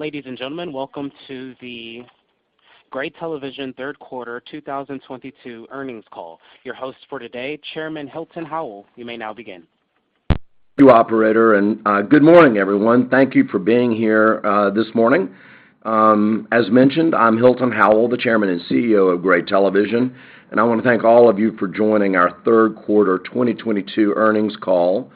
Ladies and gentlemen, welcome to the Gray Television Third Quarter 2022 Earnings Call. Your host for today, Chairman Hilton H. Howell Jr. You may now begin. Thank you, operator, and good morning, everyone. Thank you for being here this morning. As mentioned, I'm Hilton Howell, the Chairman and CEO of Gray Television, and I wanna thank all of you for joining our Third Quarter 2022 Earnings Call.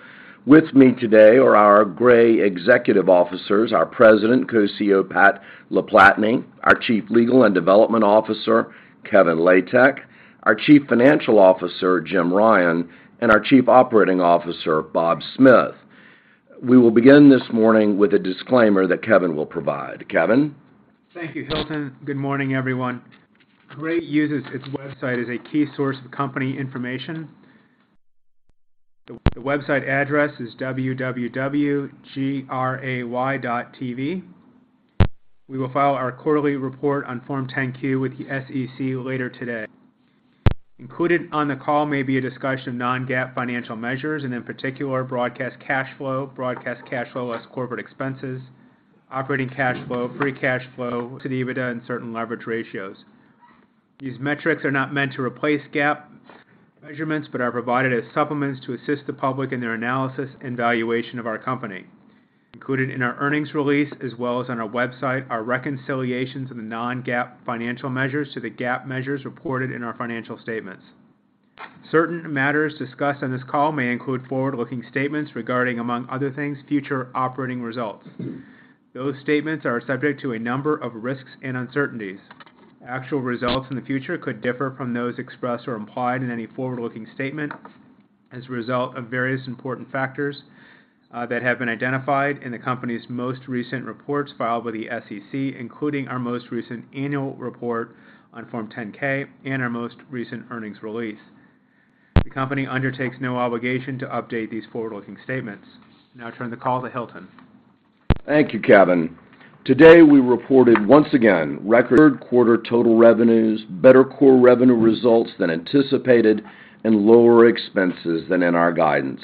With me today are our Gray executive officers, our President, Co-CEO Pat LaPlatney, our Chief Legal and Development Officer, Kevin Latek, our Chief Financial Officer, Jim Ryan, and our Chief Operating Officer, Bob Smith. We will begin this morning with a disclaimer that Kevin will provide. Kevin? Thank you, Hilton. Good morning, everyone. Gray uses its website as a key source of company information. The website address is www.gray.tv. We will file our quarterly report on Form 10-Q with the SEC later today. Included on the call may be a discussion of non-GAAP financial measures, and in particular, broadcast cash flow, broadcast cash flow plus corporate expenses, operating cash flow, free cash flow to the EBITDA, and certain leverage ratios. These metrics are not meant to replace GAAP measurements, but are provided as supplements to assist the public in their analysis and valuation of our company. Included in our earnings release, as well as on our website, are reconciliations of the non-GAAP financial measures to the GAAP measures reported in our financial statements. Certain matters discussed on this call may include forward-looking statements regarding, among other things, future operating results. Those statements are subject to a number of risks and uncertainties. Actual results in the future could differ from those expressed or implied in any forward-looking statement as a result of various important factors that have been identified in the company's most recent reports filed with the SEC, including our most recent annual report on Form 10-K and our most recent earnings release. The company undertakes no obligation to update these forward-looking statements. Now I turn the call to Hilton. Thank you, Kevin. Today, we reported once again record quarter total revenues, better core revenue results than anticipated, and lower expenses than in our guidance.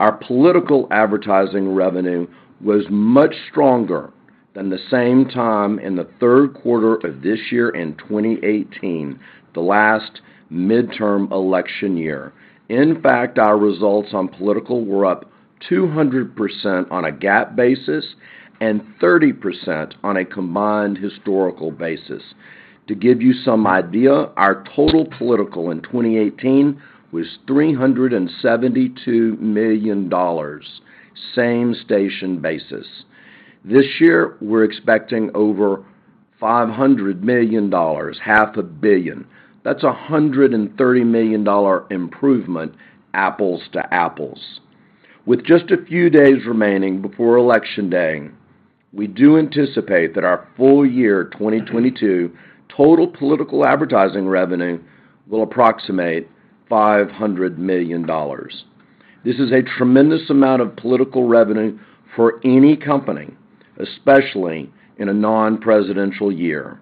Our political advertising revenue was much stronger than at the same time in the third quarter of 2018, the last midterm election year. In fact, our results on political were up 200% on a GAAP basis and 30% on a combined historical basis. To give you some idea, our total political in 2018 was $372 million, same-station basis. This year, we're expecting over $500 million, half a billion. That's a $130 million improvement, apples to apples. With just a few days remaining before election day, we do anticipate that our full year 2022 total political advertising revenue will approximate $500 million. This is a tremendous amount of political revenue for any company, especially in a non-presidential year.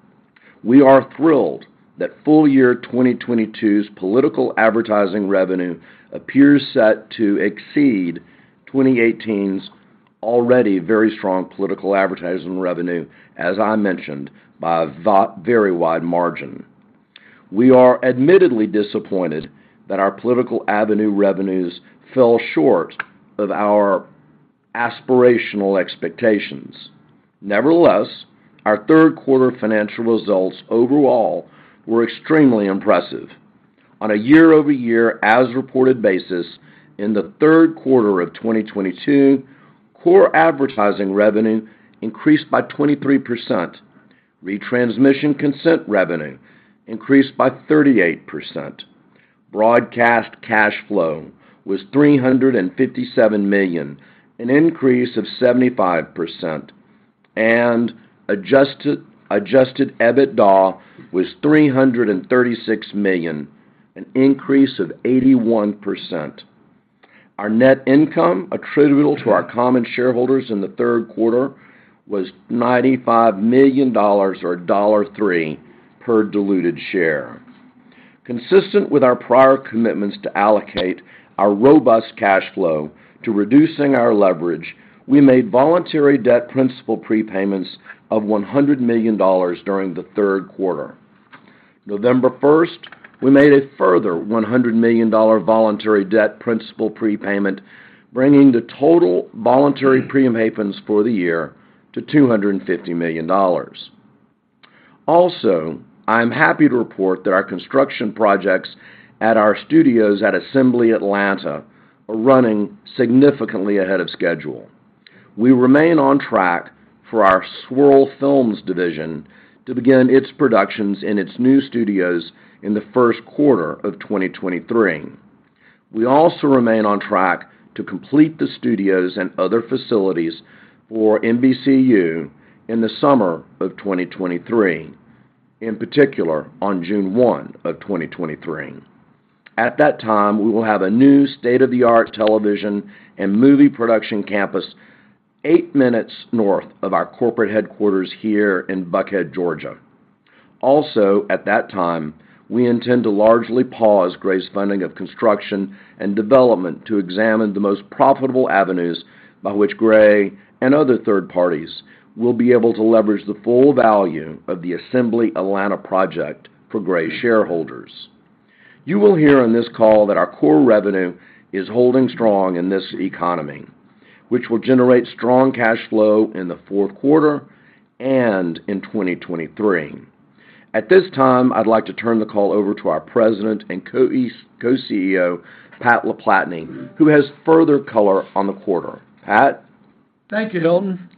We are thrilled that full year 2022's political advertising revenue appears set to exceed 2018's already very strong political advertising revenue, as I mentioned, by a very wide margin. We are admittedly disappointed that our political ad revenues fell short of our aspirational expectations. Nevertheless, our third quarter financial results overall were extremely impressive. On a year-over-year as-reported basis in the third quarter of 2022, core advertising revenue increased by 23%. Retransmission consent revenue increased by 38%. Broadcast cash flow was $357 million, an increase of 75%. Adjusted EBITDA was $336 million, an increase of 81%. Our net income attributable to our common shareholders in the third quarter was $95 million or $3 per diluted share. Consistent with our prior commitments to allocate our robust cash flow to reducing our leverage, we made voluntary debt principal prepayments of $100 million during the third quarter. November 1, we made a further $100 million voluntary debt principal prepayment, bringing the total voluntary prepayments for the year to $250 million. Also, I'm happy to report that our construction projects at our studios at Assembly Atlanta are running significantly ahead of schedule. We remain on track for our Swirl Films division to begin its productions in its new studios in the first quarter of 2023. We also remain on track to complete the studios and other facilities for NBCUniversal in the summer of 2023, in particular, on June 1, 2023. At that time, we will have a new state-of-the-art television and movie production campus eight minutes north of our corporate headquarters here in Buckhead, Georgia. Also, at that time, we intend to largely pause Gray's funding of construction and development to examine the most profitable avenues by which Gray and other third parties will be able to leverage the full value of the Assembly Atlanta project for Gray shareholders. You will hear on this call that our core revenue is holding strong in this economy, which will generate strong cash flow in the fourth quarter and in 2023. At this time, I'd like to turn the call over to our President and Co-CEO, Pat LaPlatney, who has further color on the quarter. Pat? Thank you, Hilton.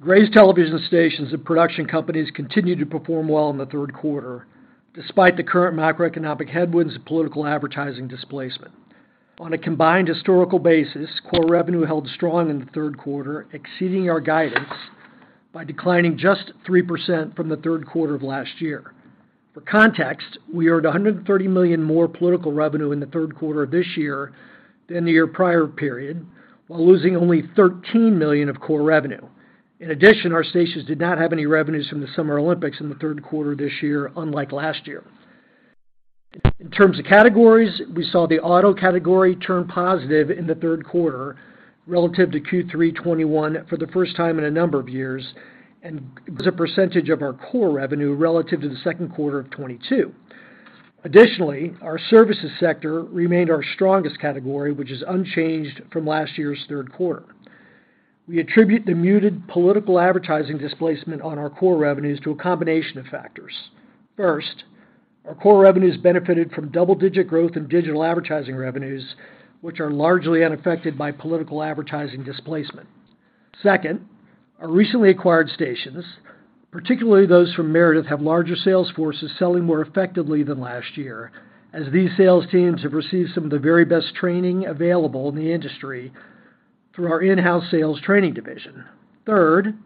Gray's television stations and production companies continue to perform well in the third quarter, despite the current macroeconomic headwinds of political advertising displacement. On a combined historical basis, core revenue held strong in the third quarter, exceeding our guidance by declining just 3% from the third quarter of last year. For context, we earned $130 million more political revenue in the third quarter of this year than the year prior period, while losing only $13 million of core revenue. In addition, our stations did not have any revenues from the Summer Olympics in the third quarter this year, unlike last year. In terms of categories, we saw the auto category turn positive in the third quarter relative to Q3 2021 for the first time in a number of years, and it was a percentage of our core revenue relative to the second quarter of 2022. Additionally, our services sector remained our strongest category, which is unchanged from last year's third quarter. We attribute the muted political advertising displacement on our core revenues to a combination of factors. First, our core revenues benefited from double-digit growth in digital advertising revenues, which are largely unaffected by political advertising displacement. Second, our recently acquired stations, particularly those from Meredith, have larger sales forces selling more effectively than last year, as these sales teams have received some of the very best training available in the industry through our in-house sales training division. Third,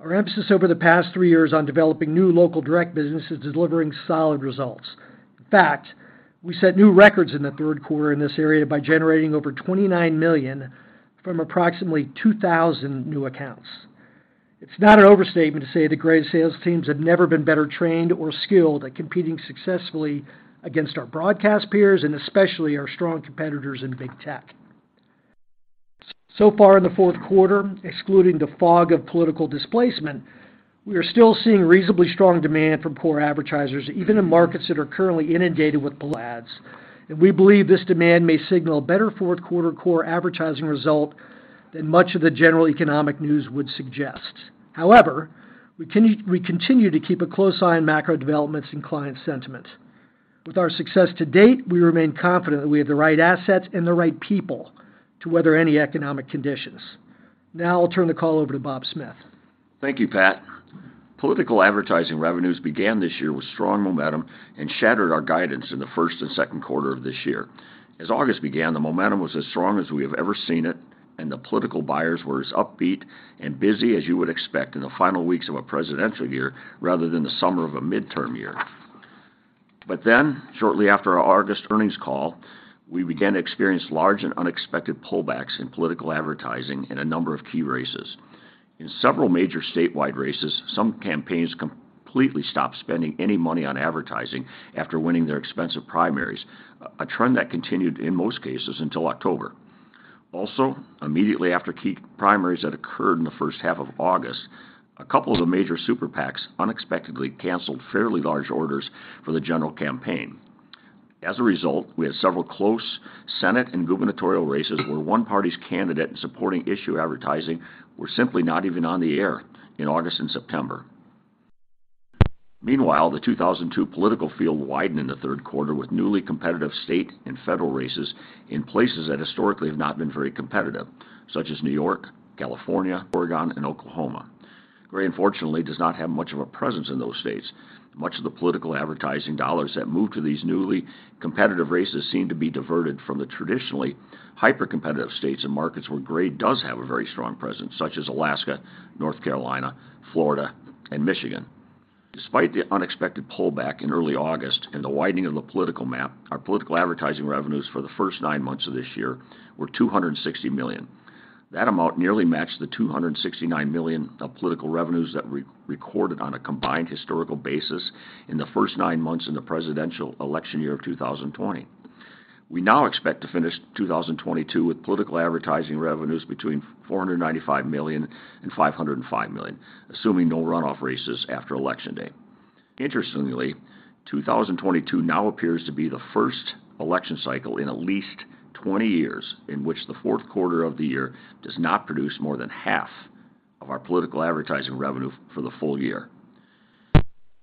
our emphasis over the past three years on developing new local direct business is delivering solid results. In fact, we set new records in the third quarter in this area by generating over $29 million from approximately 2,000 new accounts. It's not an overstatement to say that Gray's sales teams have never been better trained or skilled at competing successfully against our broadcast peers and especially our strong competitors in big tech. So far in the fourth quarter, excluding the fog of political displacement, we are still seeing reasonably strong demand from core advertisers, even in markets that are currently inundated with political ads. We believe this demand may signal a better fourth quarter core advertising result than much of the general economic news would suggest. However, we continue to keep a close eye on macro developments and client sentiment. With our success to date, we remain confident that we have the right assets and the right people to weather any economic conditions. Now I'll turn the call over to Bob Smith. Thank you, Pat. Political advertising revenues began this year with strong momentum and shattered our guidance in the first and second quarter of this year. As August began, the momentum was as strong as we have ever seen it, and the political buyers were as upbeat and busy as you would expect in the final weeks of a presidential year rather than the summer of a midterm year. Shortly after our August earnings call, we began to experience large and unexpected pullbacks in political advertising in a number of key races. In several major statewide races, some campaigns completely stopped spending any money on advertising after winning their expensive primaries, a trend that continued in most cases until October. Also, immediately after key primaries that occurred in the first half of August, a couple of the major Super PACs unexpectedly canceled fairly large orders for the general campaign. As a result, we had several close Senate and gubernatorial races where one party's candidate and supporting issue advertising were simply not even on the air in August and September. Meanwhile, the 2022 political field widened in the third quarter with newly competitive state and federal races in places that historically have not been very competitive, such as New York, California, Oregon, and Oklahoma. Gray, unfortunately, does not have much of a presence in those states. Much of the political advertising dollars that moved to these newly competitive races seemed to be diverted from the traditionally hyper-competitive states and markets where Gray does have a very strong presence, such as Alaska, North Carolina, Florida, and Michigan. Despite the unexpected pullback in early August and the widening of the political map, our political advertising revenues for the first nine months of this year were $260 million. That amount nearly matched the $269 million of political revenues that we recorded on a combined historical basis in the first nine months in the presidential election year of 2020. We now expect to finish 2022 with political advertising revenues between $495 million and $505 million, assuming no runoff races after Election Day. Interestingly, 2022 now appears to be the first election cycle in at least 20 years in which the fourth quarter of the year does not produce more than half of our political advertising revenue for the full year.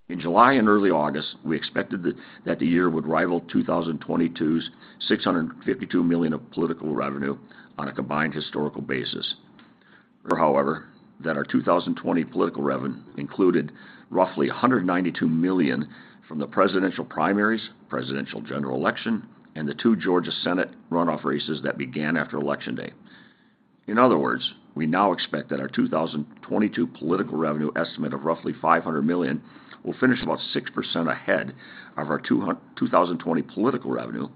In July and early August, we expected that the year would rival 2022's $652 million of political revenue on a combined historical basis. However, note that our 2020 political revenue included roughly $192 million from the presidential primaries, presidential general election, and the two Georgia Senate runoff races that began after Election Day. In other words, we now expect that our 2022 political revenue estimate of roughly $500 million will finish about 6% ahead of our 2020 political revenue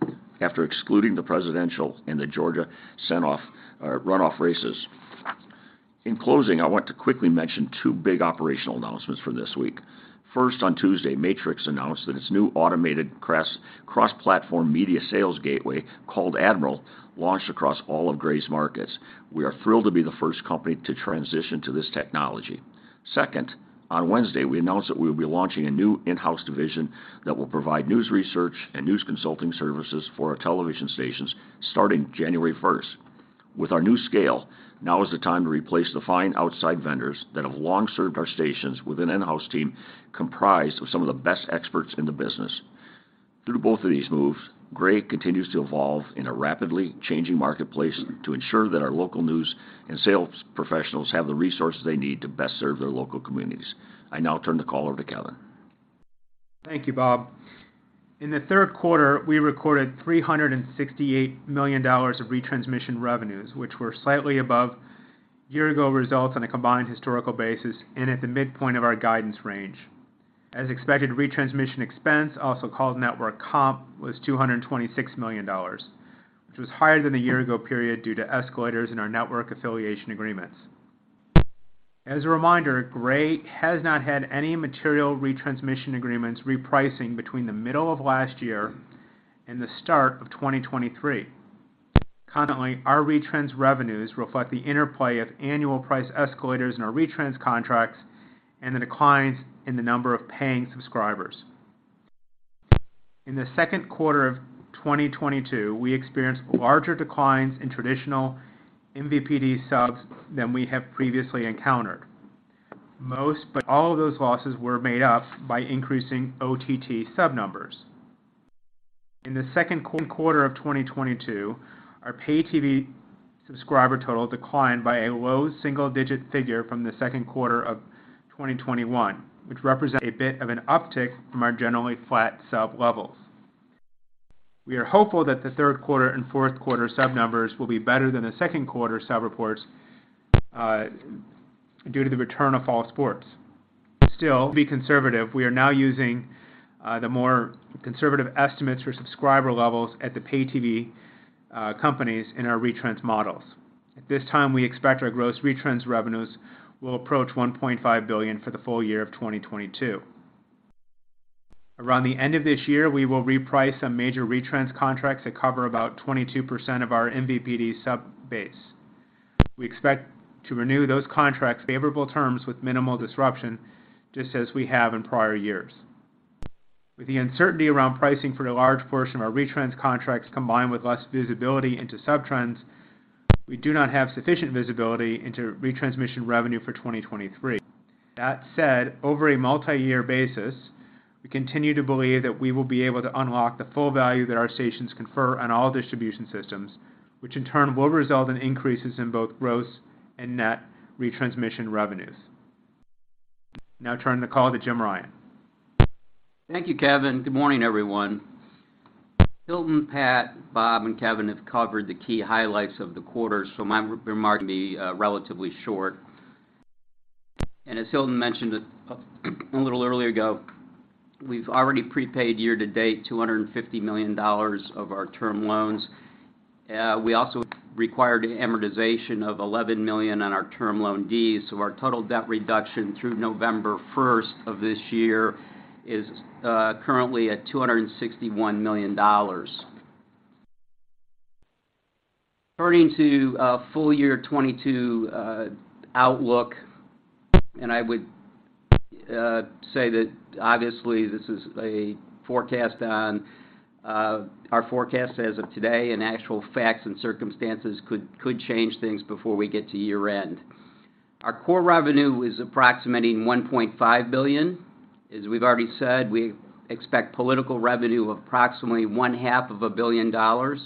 after excluding the presidential and the Georgia runoff races. In closing, I want to quickly mention two big operational announcements for this week. First, on Tuesday, Matrix announced that its new automated cross-platform media sales gateway called Admiral launched across all of Gray's markets. We are thrilled to be the first company to transition to this technology. Second, on Wednesday, we announced that we will be launching a new in-house division that will provide news research and news consulting services for our television stations starting January first. With our new scale, now is the time to replace the fine outside vendors that have long served our stations with an in-house team comprised of some of the best experts in the business. Through both of these moves, Gray continues to evolve in a rapidly changing marketplace to ensure that our local news and sales professionals have the resources they need to best serve their local communities. I now turn the call over to Kevin. Thank you, Bob. In the third quarter, we recorded $368 million of Retransmission revenues, which were slightly above year-ago results on a combined historical basis and at the midpoint of our guidance range. As expected, Retransmission expense, also called network comp, was $226 million, which was higher than the year-ago period due to escalators in our network affiliation agreements. As a reminder, Gray has not had any material Retransmission agreements repricing between the middle of last year and the start of 2023. Currently, our Retrans revenues reflect the interplay of annual price escalators in our Retrans contracts and the declines in the number of paying subscribers. In the second quarter of 2022, we experienced larger declines in traditional MVPD subs than we have previously encountered. Most, but not all of those losses were made up by increasing OTT sub numbers. In the second quarter of 2022, our pay TV subscriber total declined by a low single-digit figure from the second quarter of 2021, which represents a bit of an uptick from our generally flat sub-levels. We are hopeful that the third quarter and fourth quarter sub numbers will be better than the second quarter sub reports, due to the return of fall sports. Still, to be conservative, we are now using the more conservative estimates for subscriber levels at the Pay TV companies in our Retrans models. At this time, we expect our gross Retrans revenues will approach $1.5 billion for the full year of 2022. Around the end of this year, we will reprice some major Retrans contracts that cover about 22% of our MVPD sub base. We expect to renew those contracts on favorable terms with minimal disruption, just as we have in prior years. With the uncertainty around pricing for a large portion of our Retrans contracts combined with less visibility into sub trends, we do not have sufficient visibility into Retransmission revenue for 2023. That said, over a multi-year basis, we continue to believe that we will be able to unlock the full value that our stations confer on all distribution systems, which in turn will result in increases in both gross and net Retransmission revenues. Now turn the call to Jim Ryan. Thank you, Kevin. Good morning, everyone. Hilton, Pat, Bob, and Kevin have covered the key highlights of the quarter, so my remarks will be relatively short. As Hilton mentioned a little earlier ago, we've already prepaid year-to-date $250 million of our term loans. We also required amortization of $11 million on our term loan D's, so our total debt reduction through November 1 of this year is currently at $261 million. Turning to full year 2022 outlook, I would say that obviously this is a forecast on our forecast as of today, and actual facts and circumstances could change things before we get to year-end. Our core revenue is approximating $1.5 billion. As we've already said, we expect political revenue of approximately one-half of a billion dollars.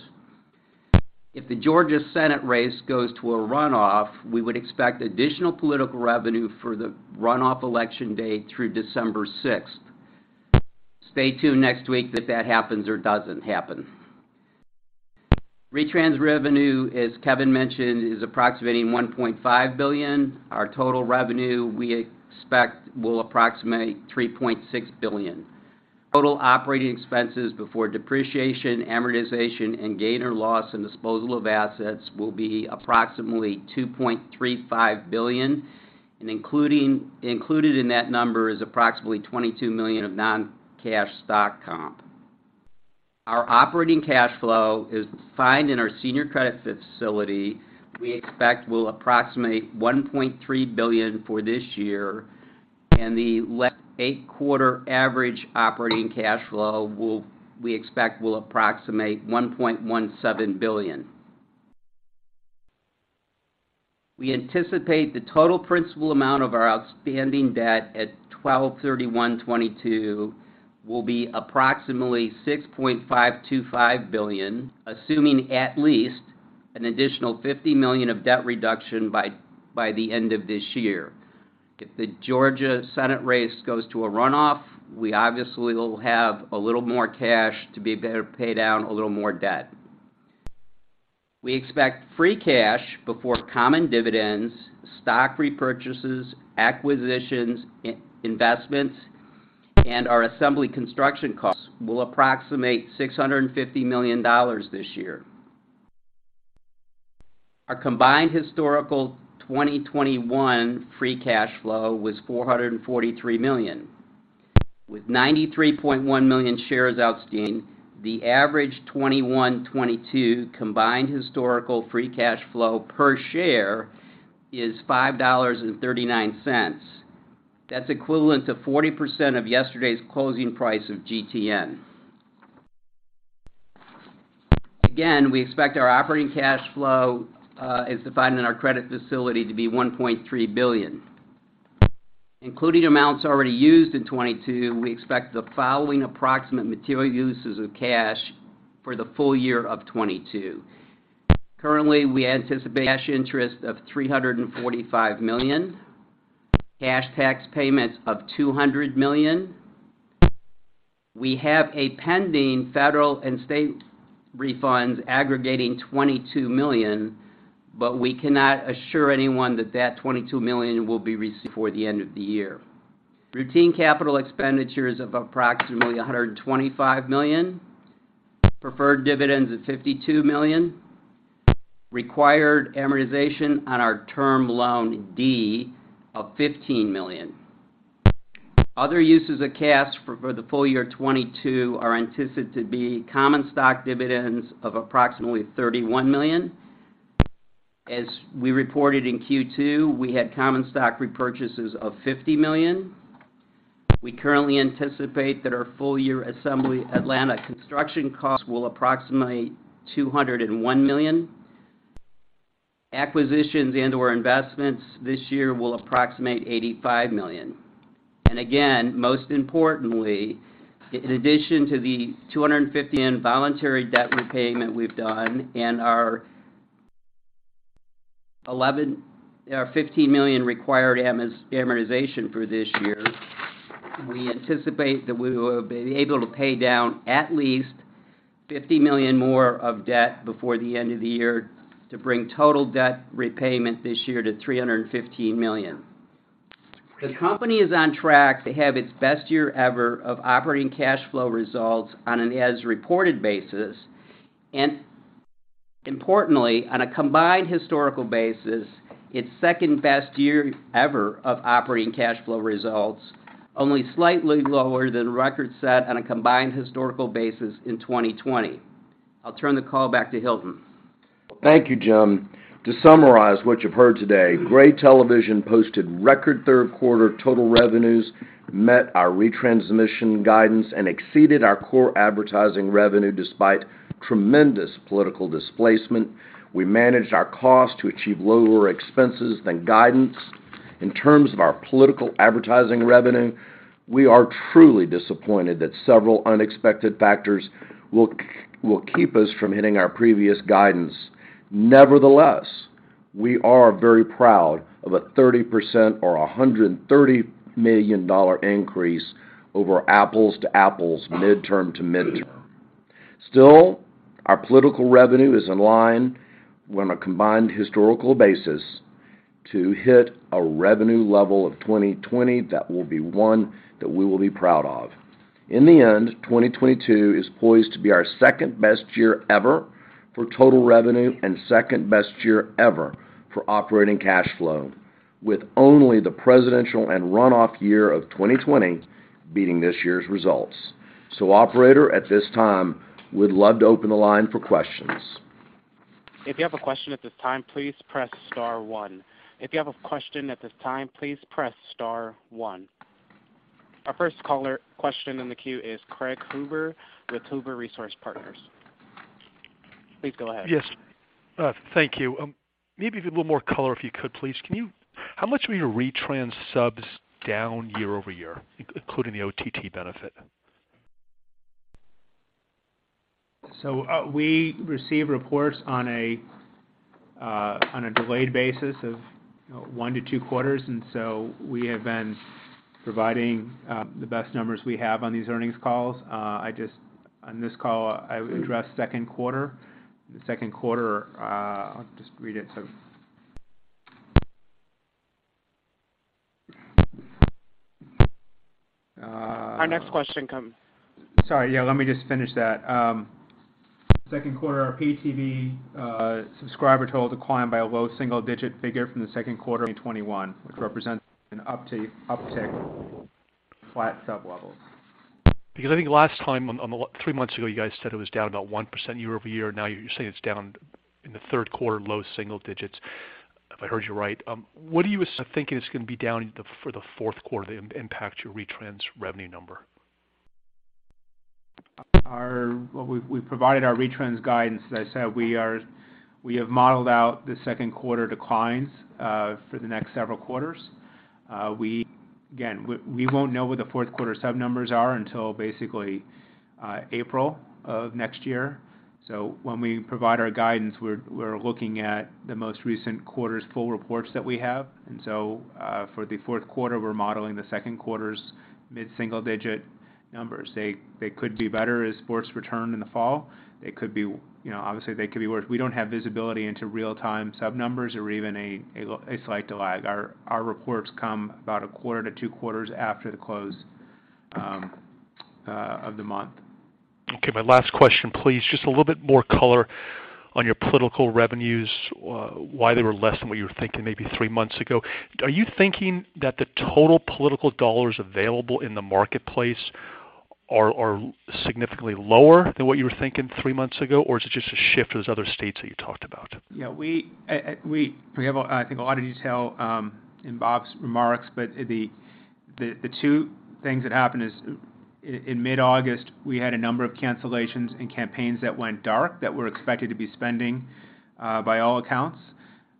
If the Georgia Senate race goes to a runoff, we would expect additional political revenue for the runoff election date through December sixth. Stay tuned next week if that happens or doesn't happen. Retrans revenue, as Kevin mentioned, is approximating $1.5 billion. Our total revenue, we expect will approximate $3.6 billion. Total operating expenses before depreciation, amortization, and gain or loss and disposal of assets will be approximately $2.35 billion, and included in that number is approximately $22 million of non-cash stock comp. Our operating cash flow is defined in our senior credit facility we expect will approximate $1.3 billion for this year, and the last eight-quarter average operating cash flow we expect will approximate $1.17 billion. We anticipate the total principal amount of our outstanding debt at 12/31/2022 will be approximately $6.525 billion, assuming at least an additional $50 million of debt reduction by the end of this year. If the Georgia Senate race goes to a runoff, we obviously will have a little more cash to better pay down a little more debt. We expect free cash before common dividends, stock repurchases, acquisitions, investments and our Assembly construction costs will approximate $650 million this year. Our combined historical 2021 free cash flow was $443 million. With 93.1 million shares outstanding, the average 2021, 2022 combined historical free cash flow per share is $5.39. That's equivalent to 40% of yesterday's closing price of GTN. Again, we expect our operating cash flow as defined in our credit facility to be $1.3 billion. Including amounts already used in 2022, we expect the following approximate material uses of cash for the full year of 2022. Currently, we anticipate cash interest of $345 million. Cash tax payments of $200 million. We have a pending federal and state refunds aggregating $22 million, but we cannot assure anyone that that $22 million will be received before the end of the year. Routine capital expenditures of approximately $125 million. Preferred dividends of $52 million. Required amortization on our term loan D of $15 million. Other uses of cash for the full year 2022 are anticipated to be common stock dividends of approximately $31 million. As we reported in Q2, we had common stock repurchases of $50 million. We currently anticipate that our full-year Assembly Atlanta construction costs will approximate $201 million. Acquisitions and/or investments this year will approximate $85 million. Again, most importantly, in addition to the $250 million voluntary debt repayment we've done and our $15 million required amortization for this year, we anticipate that we will be able to pay down at least $50 million more of debt before the end of the year to bring total debt repayment this year to $315 million. The company is on track to have its best year ever of operating cash flow results on an as-reported basis. Importantly, on a combined historical basis, its second-best year ever of operating cash flow results, only slightly lower than the record set on a combined historical basis in 2020. I'll turn the call back to Hilton. Thank you, Jim. To summarize what you've heard today, Gray Television posted record third quarter total revenues, met our Retransmission guidance, and exceeded our core advertising revenue despite tremendous political displacement. We managed our costs to achieve lower expenses than guidance. In terms of our political advertising revenue, we are truly disappointed that several unexpected factors will keep us from hitting our previous guidance. Nevertheless, we are very proud of a 30% or $130 million increase over apples to apples, midterm to midterm. Still, our political revenue is in line with a combined historical basis to hit a revenue level of 2020 that will be one that we will be proud of. In the end, 2022 is poised to be our second best year ever for total revenue and second best year ever for operating cash flow, with only the presidential and runoff year of 2020 beating this year's results. Operator, at this time, we'd love to open the line for questions. If you have a question at this time, please press star one. Our first caller, question in the queue, is Craig Huber with Huber Research Partners. Please go ahead. Yes, thank you. Maybe a little more color, if you could, please. How much were your Retrans subs down year-over-year, including the OTT benefit? We receive reports on a delayed basis of 1-2 quarters, and so we have been providing the best numbers we have on these earnings calls. On this call, I would address second quarter. The second quarter, I'll just read it so. Our next question comes. Sorry, yeah, let me just finish that. Second quarter, our pay TV subscriber total declined by a low single-digit figure from the second quarter in 2021, which represents an uptick flat sub levels. Because I think last time three months ago, you guys said it was down about 1% year-over-year. Now you're saying it's down in the third quarter low single digits%, if I heard you right. What do you think it's gonna be down for the fourth quarter that impact your Retrans revenue number? We've provided our Retrans guidance. As I said, we have modeled out the second quarter declines for the next several quarters. Again, we won't know what the fourth quarter sub numbers are until basically April of next year. So when we provide our guidance, we're looking at the most recent quarter's full reports that we have. For the fourth quarter, we're modeling the second quarter's mid-single digit Numbers. They could be better as sports return in the fall. They could be, you know, obviously, they could be worse. We don't have visibility into real-time sub numbers or even a slight lag. Our reports come about a quarter to two quarters after the close of the month. Okay, my last question please. Just a little bit more color on your political revenues, why they were less than what you were thinking maybe three months ago. Are you thinking that the total political dollars available in the marketplace are significantly lower than what you were thinking three months ago? Or is it just a shift to those other states that you talked about? We have a lot of detail in Bob's remarks. The two things that happened is in mid-August, we had a number of cancellations and campaigns that went dark that were expected to be spending by all accounts.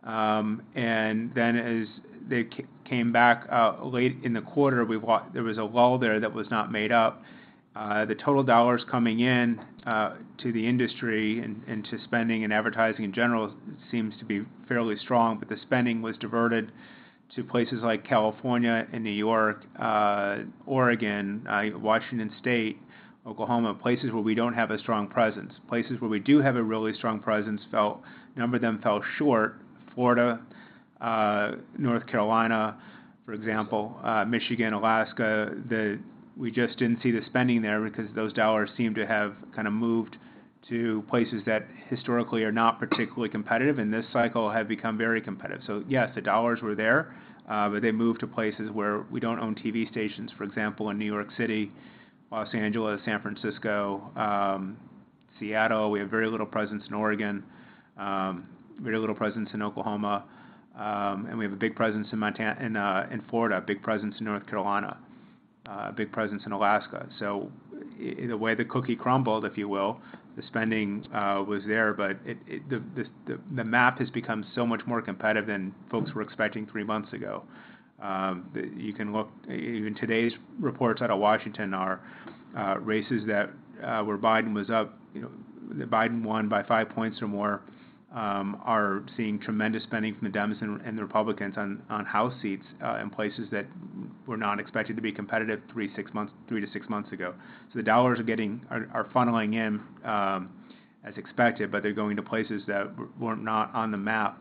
As they came back late in the quarter, there was a lull there that was not made up. The total dollars coming in to the industry and to spending and advertising in general seems to be fairly strong. The spending was diverted to places like California and New York, Oregon, Washington State, Oklahoma, places where we don't have a strong presence. Places where we do have a really strong presence felt, a number of them fell short. Florida, North Carolina, for example, Michigan, Alaska. We just didn't see the spending there because those dollars seemed to have kinda moved to places that historically are not particularly competitive, and this cycle had become very competitive. Yes, the dollars were there, but they moved to places where we don't own TV stations, for example, in New York City, Los Angeles, San Francisco, Seattle. We have very little presence in Oregon, very little presence in Oklahoma, and we have a big presence in Florida, a big presence in North Carolina, a big presence in Alaska. In a way, the cookie crumbled, if you will. The spending was there, but it. The map has become so much more competitive than folks were expecting three months ago. You can look, even today's reports out of Washington are races that where Biden was up, you know, Biden won by five points or more are seeing tremendous spending from the Dems and the Republicans on House seats in places that were not expected to be competitive three to six months ago. So the dollars are funneling in as expected, but they're going to places that were not on the map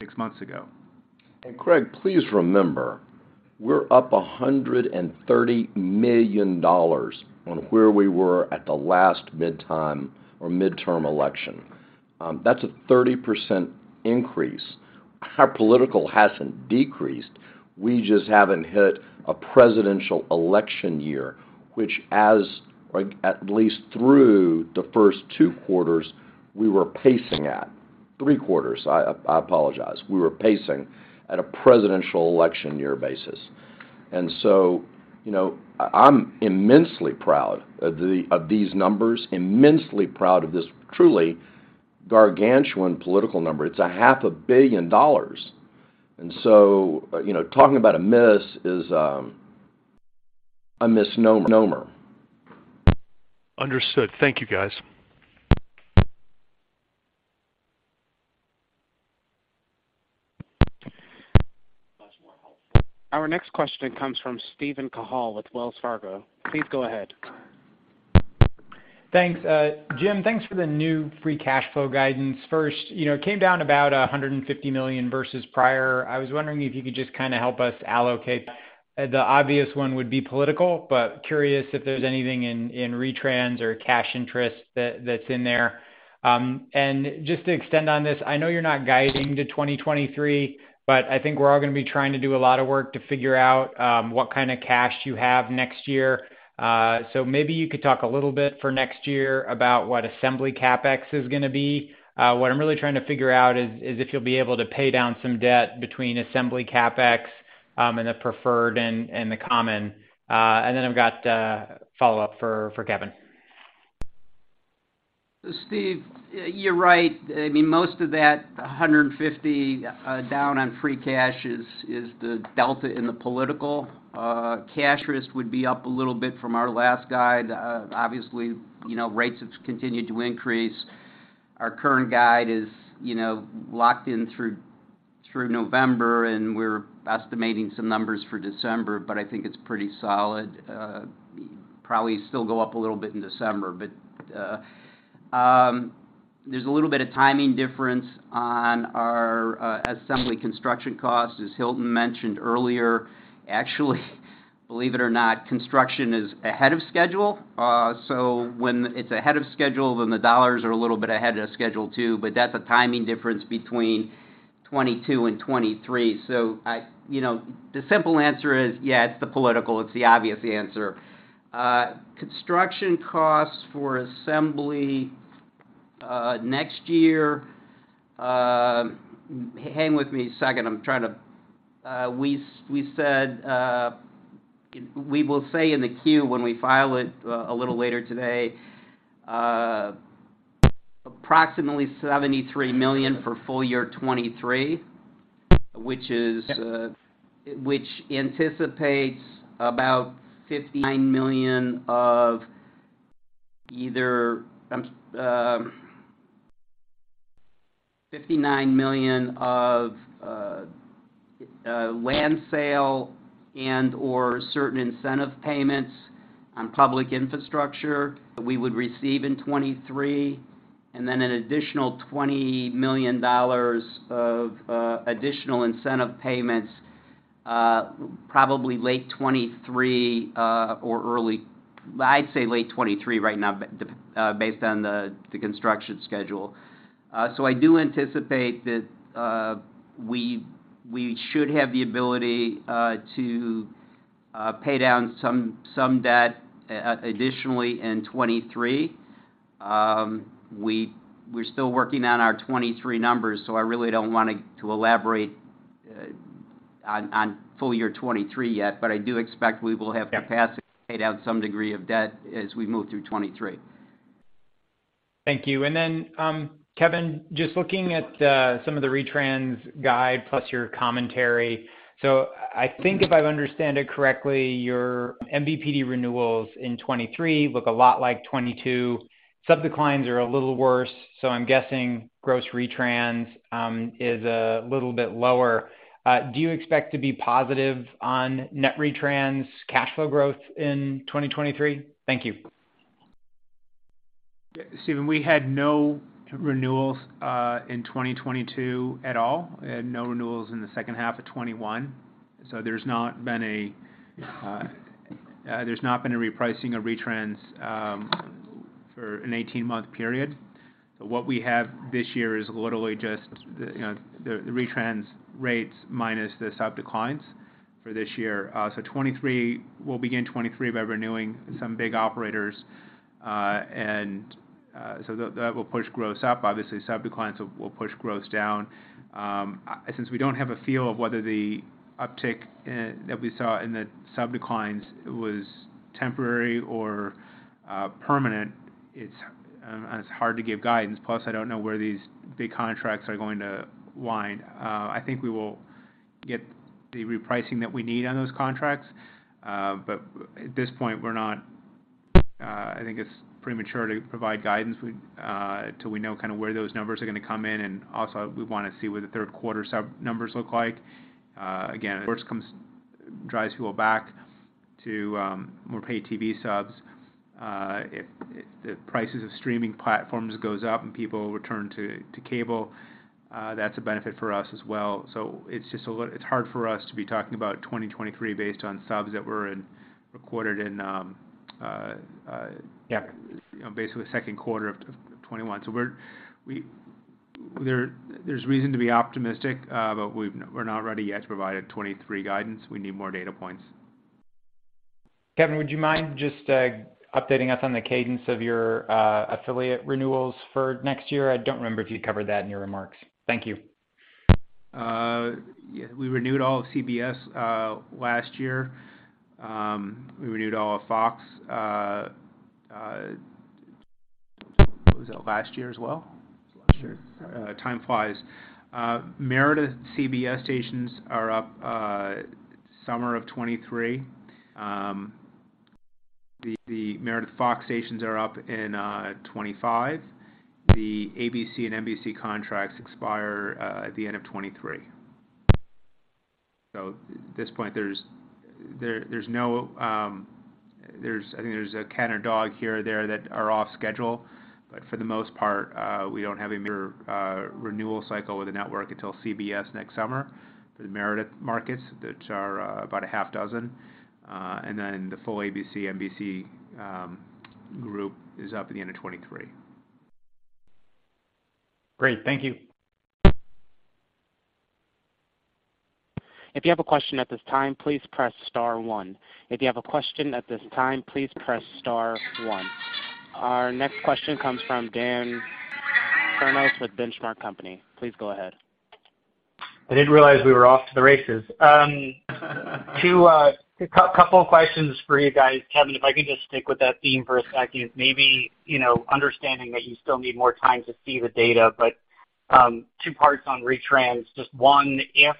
six months ago. Craig, please remember, we're up $130 million on where we were at the last midterm election. That's a 30% increase. Our political hasn't decreased. We just haven't hit a presidential election year, which, at least through the first two quarters, we were pacing at three quarters. I apologize. We were pacing at a presidential election year basis. You know, I'm immensely proud of these numbers, immensely proud of this truly gargantuan political number. It's $ half a billion dollars. You know, talking about a miss is a misnomer. Understood. Thank you, guys. Our next question comes from Steven Cahall with Wells Fargo. Please go ahead. Thanks. Jim, thanks for the new free cash flow guidance. First, you know, it came down about $150 million vs prior. I was wondering if you could just kinda help us allocate. The obvious one would be political, but curious if there's anything in Retrans or cash interest that's in there. And just to extend on this, I know you're not guiding to 2023, but I think we're all gonna be trying to do a lot of work to figure out what kinda cash you have next year. So maybe you could talk a little bit for next year about what Assembly CapEx is gonna be. What I'm really trying to figure out is if you'll be able to pay down some debt between Assembly CapEx and the preferred and the common. I've got a follow-up for Kevin. Steve, you're right. I mean, most of that $150 down on free cash is the delta in the political. Cash flows would be up a little bit from our last guide. Obviously, you know, rates have continued to increase. Our current guide is, you know, locked in through November, and we're estimating some numbers for December, but I think it's pretty solid. Probably still go up a little bit in December. There's a little bit of timing difference on our Assembly construction cost. As Hilton mentioned earlier, actually, believe it or not, construction is ahead of schedule. When it's ahead of schedule, then the dollars are a little bit ahead of schedule too, but that's a timing difference between 2022 and 2023. You know, the simple answer is, yeah, it's the political. It's the obvious answer. Construction costs for assembly next year. Hang with me a second. We said we will say in the Q when we file it a little later today, approximately $73 million for full year 2023, which anticipates about $59 million of either. $59 million of land sale and/or certain incentive payments on public infrastructure that we would receive in 2023, and then an additional $20 million of additional incentive payments, probably late 2023 or early, I'd say late 2023 right now based on the construction schedule. I do anticipate that we should have the ability to pay down some debt additionally in 2023. We're still working on our 2023 numbers, so I really don't want to elaborate on full year 2023 yet, but I do expect we will have capacity to pay down some degree of debt as we move through 2023. Thank you. Kevin, just looking at some of the Retrans guide plus your commentary. I think if I understand it correctly, your MVPD renewals in 2023 look a lot like 2022. Sub declines are a little worse, so I'm guessing gross Retrans is a little bit lower. Do you expect to be positive on net Retrans cash flow growth in 2023? Thank you. Steven, we had no renewals in 2022 at all, and no renewals in the second half of 2021. There's not been a repricing of Retrans for an 18-month period. What we have this year is literally just the you know the Retrans rates minus the sub declines for this year. 2023, we'll begin 2023 by renewing some big operators. That will push gross up. Obviously, sub declines will push gross down. Since we don't have a feel of whether the uptick in that we saw in the sub declines was temporary or permanent, it's hard to give guidance. Plus, I don't know where these big contracts are going to end. I think we will get the repricing that we need on those contracts. At this point, we're not. I think it's premature to provide guidance till we know kinda where those numbers are gonna come in. Also we wanna see what the third quarter sub numbers look like. Again, of course, drives people back to more paid TV subs. If the prices of streaming platforms goes up and people return to cable, that's a benefit for us as well. It's just a little. It's hard for us to be talking about 2023 based on subs that were recorded in. Yeah You know, basically second quarter of 2021. There's reason to be optimistic, but we're not ready yet to provide a 2023 guidance. We need more data points. Kevin, would you mind just updating us on the cadence of your affiliate renewals for next year? I don't remember if you covered that in your remarks. Thank you. Yeah, we renewed all of CBS last year. We renewed all of Fox. Was that last year as well? It's last year. Time flies. Meredith CBS stations are up summer of 2023. The Meredith Fox stations are up in 2025. The ABC and NBC contracts expire at the end of 2023. At this point, there's no I think there's a cat or dog here or there that are off schedule. For the most part, we don't have a major renewal cycle with the network until CBS next summer for the Meredith markets, which are about a half dozen. The full ABC, NBC group is up at the end of 2023. Great. Thank you. If you have a question at this time, please press star one. Our next question comes from Dan Kurnos with Benchmark Company. Please go ahead. I didn't realize we were off to the races. A couple of questions for you guys. Kevin, if I can just stick with that theme for a second. Maybe, you know, understanding that you still need more time to see the data, but two parts on Retrans. Just one, if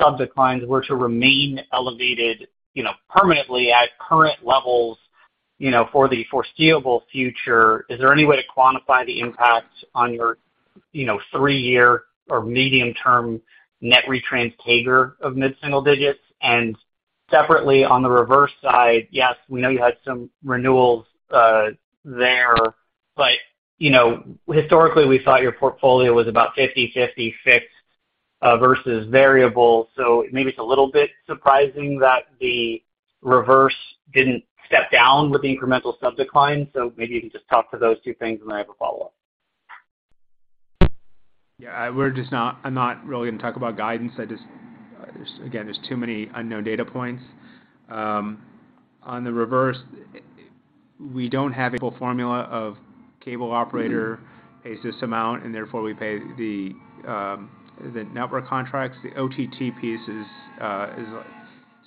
sub declines were to remain elevated, you know, permanently at current levels, you know, for the foreseeable future, is there any way to quantify the impact on your, you know, three-year or medium-term net Retrans CAGR of mid-single digits? And separately, on the reverse side, yes, we know you had some renewals there, but, you know, historically, we thought your portfolio was about 50/50 fixed vs variable. Maybe it's a little bit surprising that the reverse didn't step down with the incremental sub declines. Maybe you can just talk to those two things, and then I have a follow-up. Yeah. We're just not going to talk about guidance. I just. There's, again, too many unknown data points. On the reverse, we don't have a full formula of cable operator- Mm-hmm... pays this amount, and therefore we pay the network contracts. The OTT piece is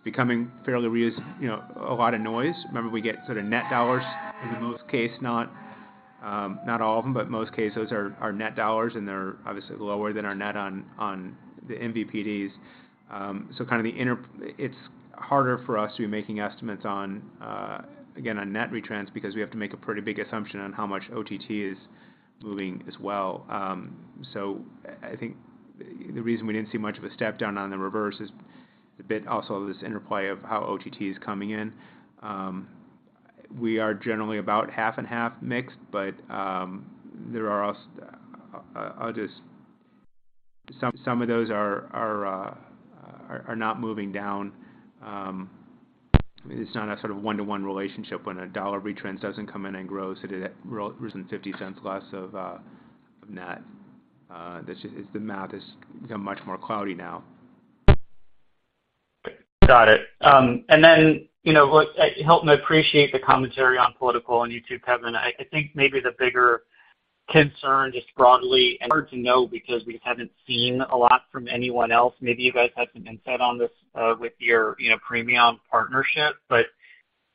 becoming fairly reasonable, you know, a lot of noise. Remember, we get sort of net dollars in most cases, not all of them, but most cases are net dollars, and they're obviously lower than our net on the MVPDs. So kinda the interplay. It's harder for us to be making estimates on, again, on net Retrans because we have to make a pretty big assumption on how much OTT is moving as well. I think the reason we didn't see much of a step down on the revenue is a bit also this interplay of how OTT is coming in. We are generally about half and half mixed, but there are also others. Some of those are not moving down. It's not a sort of one-to-one relationship when a $1 Retrans doesn't come in and grow, so it rises $0.50 less of net. The math has become much more cloudy now. Got it. You know, look, help me appreciate the commentary on political from you too, Kevin. I think maybe the bigger concern, just broadly, and hard to know because we haven't seen a lot from anyone else. Maybe you guys had some insight on this, with your, you know, premium partnership.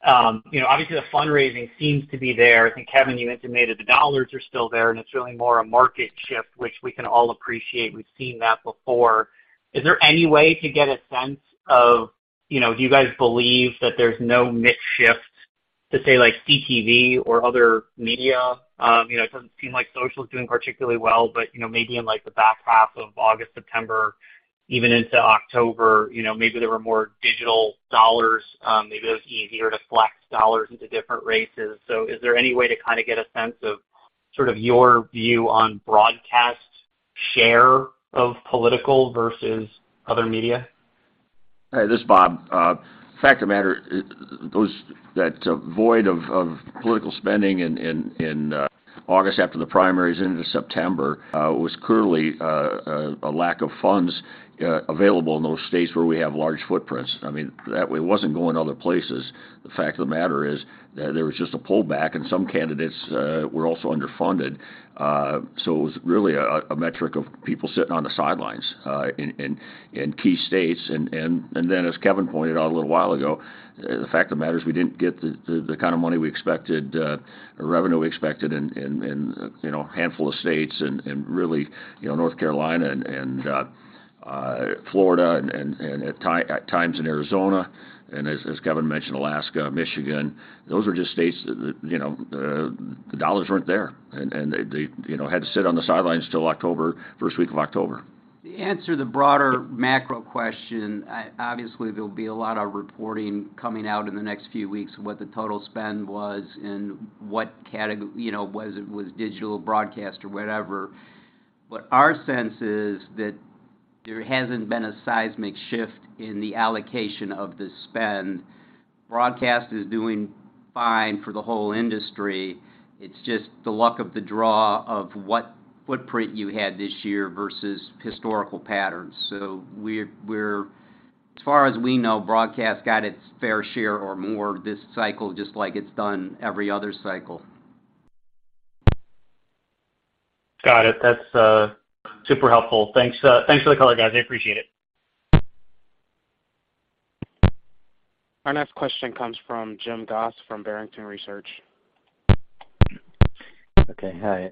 You know, obviously the fundraising seems to be there. I think, Kevin, you intimated the dollars are still there, and it's really more a market shift, which we can all appreciate. We've seen that before. Is there any way to get a sense of, you know, do you guys believe that there's no mix shift to, say, like, CTV or other media? You know, it doesn't seem like social is doing particularly well, but, you know, maybe in, like, the back half of August, September, even into October, you know, maybe there were more digital dollars, maybe it was easier to flex dollars into different races. Is there any way to kinda get a sense of sort of your view on broadcast share of political vs other media? Hey, this is Bob. Fact of the matter, the void of political spending in August after the primaries into September was clearly a lack of funds available in those states where we have large footprints. I mean, that way it wasn't going other places. The fact of the matter is that there was just a pullback and some candidates were also underfunded. It was really a metric of people sitting on the sidelines in key states. As Kevin pointed out a little while ago, the fact of the matter is we didn't get the kind of money we expected or revenue we expected in, you know, a handful of states and really, you know, North Carolina and Florida and at times in Arizona. As Kevin mentioned, Alaska, Michigan, those are just states that, you know, the dollars weren't there. They, you know, had to sit on the sidelines till October, first week of October. To answer the broader macro question, obviously there'll be a lot of reporting coming out in the next few weeks of what the total spend was and what you know, was it with digital broadcast or whatever. Our sense is that there hasn't been a seismic shift in the allocation of the spend. Broadcast is doing fine for the whole industry. It's just the luck of the draw of what footprint you had this year vs historical patterns. We're, as far as we know, broadcast got its fair share or more this cycle, just like it's done every other cycle. Got it. That's super helpful. Thanks for the color, guys. I appreciate it. Our next question comes from Jim Goss from Barrington Research. Okay. Hi.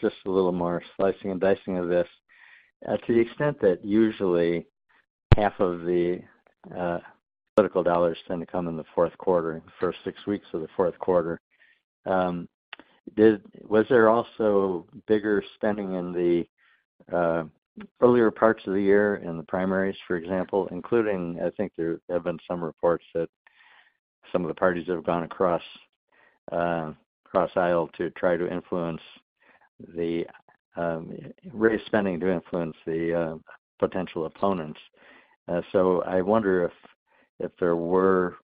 Just a little more slicing and dicing of this. To the extent that usually half of the political dollars tend to come in the fourth quarter, in the first six weeks of the fourth quarter, was there also bigger spending in the earlier parts of the year in the primaries, for example, including, I think there have been some reports that some of the parties have gone across cross-aisle to try to influence the raise spending to influence the potential opponents. I wonder if there were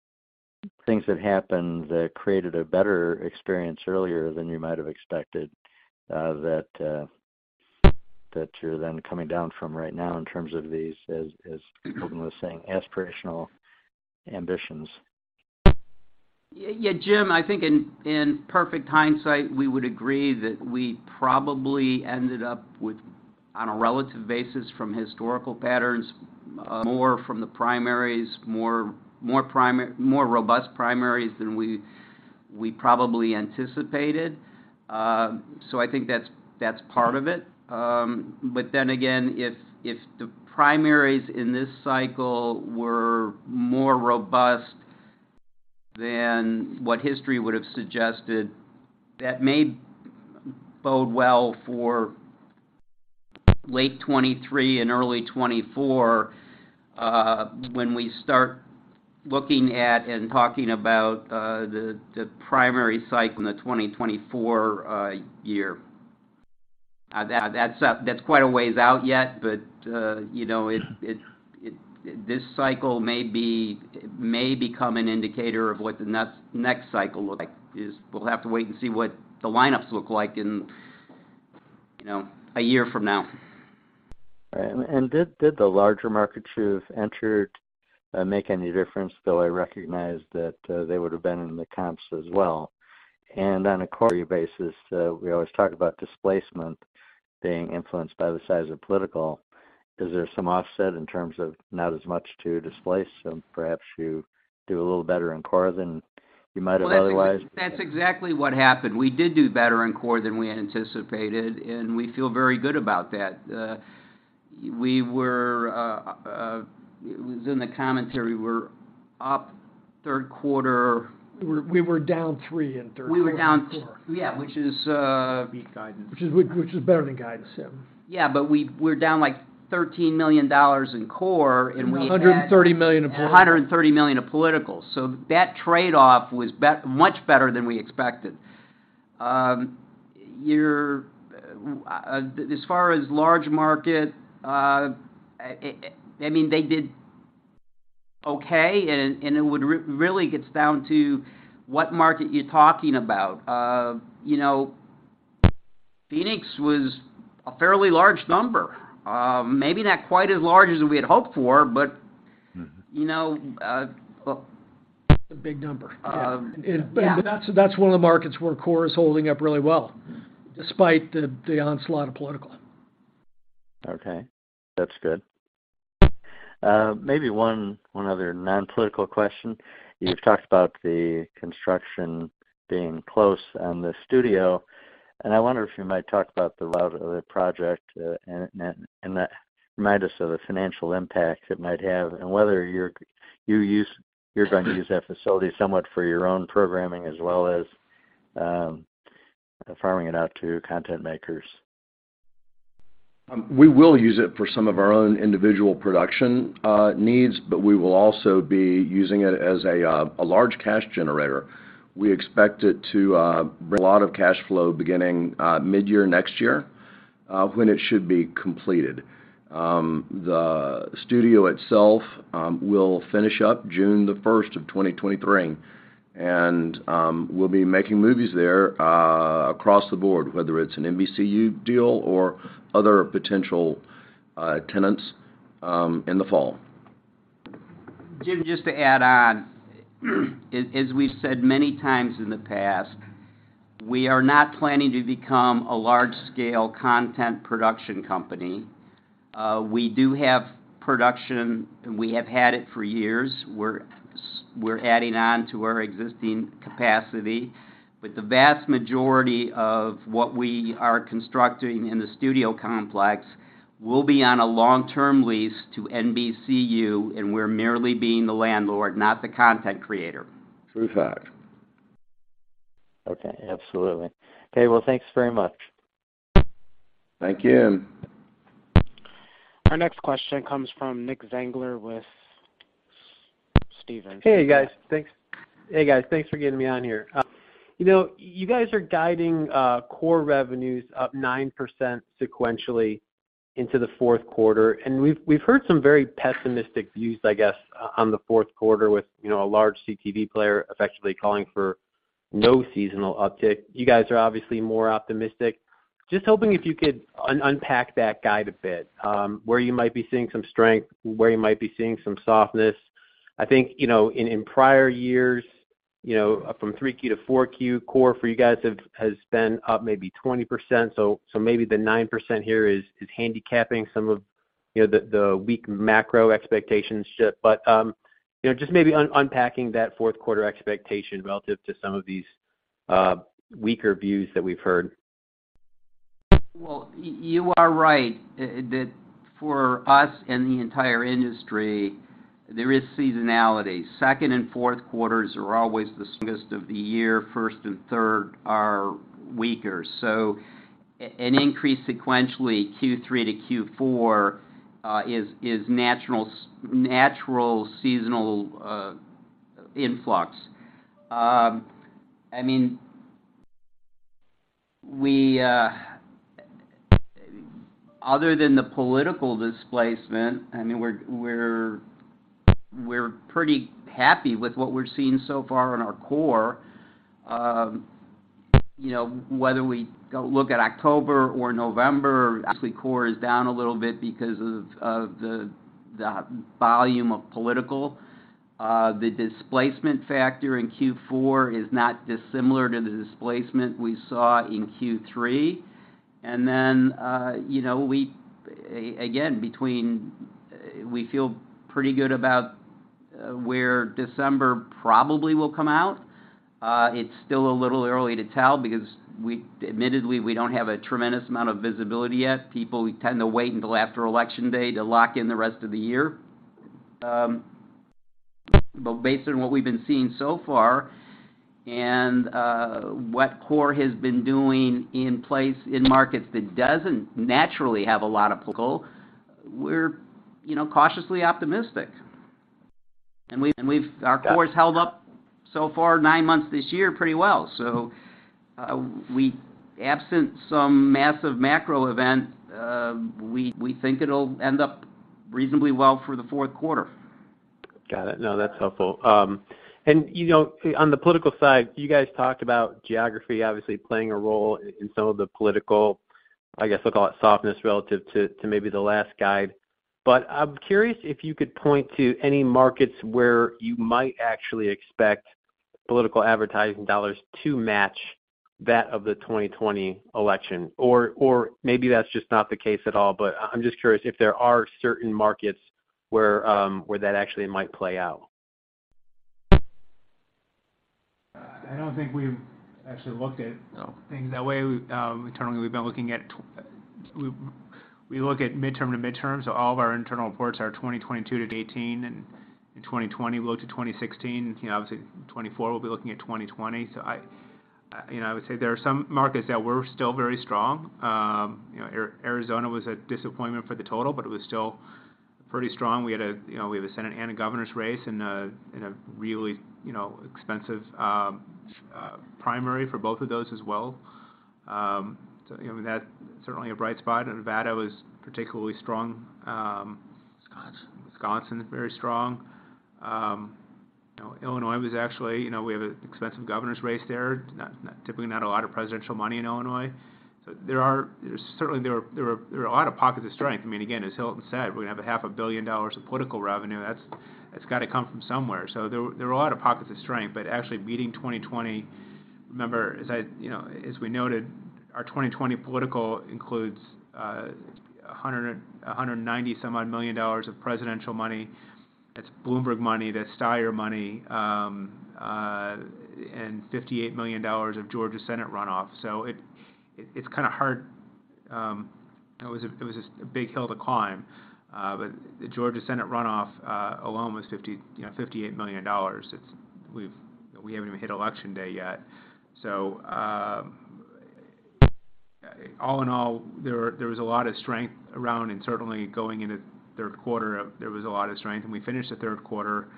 things that happened that created a better experience earlier than you might have expected, that you're then coming down from right now in terms of these, as Hilton Howell was saying, aspirational ambitions. Yeah, yeah, Jim, I think in perfect hindsight, we would agree that we probably ended up with, on a relative basis from historical patterns, more from the primaries, more robust primaries than we probably anticipated. So I think that's part of it. But then again, if the primaries in this cycle were more robust than what history would have suggested, that may bode well for late 2023 and early 2024, when we start looking at and talking about the primary cycle in the 2024 year. That's quite a ways out yet, but you know, it this cycle may become an indicator of what the next cycle look like. We'll have to wait and see what the lineups look like in a year from now. All right. Did the larger markets you've entered make any difference? Though I recognize that, they would have been in the comps as well. On a quarterly basis, we always talk about displacement being influenced by the size of political. Is there some offset in terms of not as much to displace them, perhaps you... ...do a little better in core than you might have otherwise. That's exactly what happened. We did do better in core than we anticipated, and we feel very good about that. It was in the commentary. We're up third quarter. We were down 3% in third quarter. We were down, yeah, which is Beat guidance. Which is better than guidance, yeah. Yeah, we're down, like, $13 million in core, and we had- $130 million in political. $130 million of political. That trade-off was much better than we expected. As far as large market, it really gets down to what market you're talking about. You know, Phoenix was a fairly large number. Maybe not quite as large as we had hoped for, but. Mm-hmm You know, It's a big number. Yeah. That's one of the markets where core is holding up really well, despite the onslaught of political. Okay, that's good. Maybe one other non-political question. You've talked about the construction being close on the studio, and I wonder if you might talk about the route of the project and remind us of the financial impact it might have and whether you're going to use that facility somewhat for your own programming as well as farming it out to content makers. We will use it for some of our own individual production needs, but we will also be using it as a large cash generator. We expect it to bring a lot of cash flow beginning mid-year next year, when it should be completed. The studio itself will finish up June the first of 2023. We'll be making movies there across the board, whether it's an NBCUniversal deal or other potential tenants in the fall. Jim, just to add on. As we've said many times in the past, we are not planning to become a large-scale content production company. We do have production, and we have had it for years. We're adding on to our existing capacity, but the vast majority of what we are constructing in the studio complex will be on a long-term lease to NBCUniversal, and we're merely being the landlord, not the content creator. True fact. Okay. Absolutely. Okay. Well, thanks very much. Thank you. Our next question comes from Nicholas Zangler with Stephens. Hey, guys. Thanks for getting me on here. You know, you guys are guiding core revenues up 9% sequentially into the fourth quarter, and we've heard some very pessimistic views, I guess, on the fourth quarter with, you know, a large CTV player effectively calling for no seasonal uptick. You guys are obviously more optimistic. Just hoping if you could unpack that guide a bit, where you might be seeing some strength, where you might be seeing some softness. I think, you know, in prior years, you know, from 3Q to 4Q, core for you guys has been up maybe 20%. Maybe the 9% here is handicapping some of, you know, the weak macro expectations. You know, just maybe unpacking that fourth quarter expectation relative to some of these weaker views that we've heard. Well, you are right that for us and the entire industry, there is seasonality. Second and fourth quarters are always the strongest of the year, first and third are weaker. An increase sequentially, Q3 to Q4, is natural seasonal influx. I mean, other than the political displacement, I mean, we're pretty happy with what we're seeing so far in our core. You know, whether we go look at October or November, actually, core is down a little bit because of the volume of political. The displacement factor in Q4 is not dissimilar to the displacement we saw in Q3. Then, you know, we feel pretty good about where December probably will come out. It's still a little early to tell because admittedly, we don't have a tremendous amount of visibility yet. People, we tend to wait until after election day to lock in the rest of the year. Based on what we've been seeing so far and what core has been doing in place in markets that doesn't naturally have a lot of political, we're, you know, cautiously optimistic. We've. Our core has held up so far nine months this year pretty well. Absent some massive macro event, we think it'll end up reasonably well for the fourth quarter. Got it. No, that's helpful. You know, on the political side, you guys talked about geography obviously playing a role in some of the political. I guess I'll call it softness relative to maybe the last guide. I'm curious if you could point to any markets where you might actually expect political advertising dollars to match that of the 2020 election? Or maybe that's just not the case at all, but I'm just curious if there are certain markets where that actually might play out. I don't think we've actually looked at. No... things that way. Internally, we look at midterm to midterm, so all of our internal reports are 2022-2018, and in 2020, we look to 2016. You know, obviously, 2024, we'll be looking at 2020. You know, I would say there are some markets that were still very strong. You know, Arizona was a disappointment for the total, but it was still pretty strong. We had, you know, a Senate and a governor's race and a really expensive primary for both of those as well. You know, that certainly a bright spot. Nevada was particularly strong. Wisconsin Wisconsin, very strong. You know, Illinois was actually, you know, we have an expensive governor's race there. Not typically a lot of presidential money in Illinois. There's certainly a lot of pockets of strength. I mean, again, as Hilton said, we're gonna have a half a billion dollars of political revenue. That's got to come from somewhere. So there are a lot of pockets of strength. But actually beating 2020, remember, as I you know, as we noted, our 2020 political includes a hundred and ninety-some-odd million dollars of presidential money. That's Bloomberg money, that's Steyer money, and $58 million of Georgia Senate runoff. So it's kinda hard, it was a big hill to climb. The Georgia Senate runoff alone was $58 million, you know. We haven't even hit election day yet. All in all, there was a lot of strength around and certainly going into third quarter, there was a lot of strength. We finished the third quarter,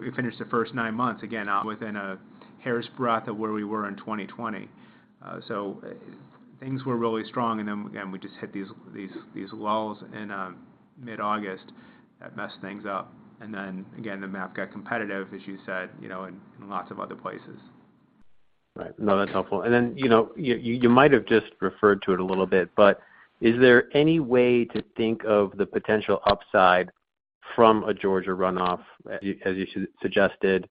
we finished the first nine months, again, out within a hair's breadth of where we were in 2020. Things were really strong. We just hit these lulls in mid-August that messed things up. The map got competitive, as you said, you know, in lots of other places. Right. No, that's helpful. You know, you might have just referred to it a little bit, but is there any way to think of the potential upside from a Georgia runoff, as you suggested?